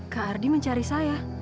kak ardi mencari saya